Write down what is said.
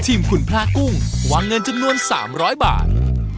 ชิมขุ่นพลาห์กุ้งวางเงินจนนวน๓๐๐บาท